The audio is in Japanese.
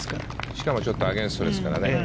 しかもちょっとアゲンストですから。